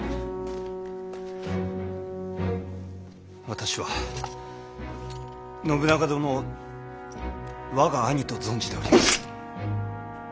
私は信長殿を我が兄と存じております。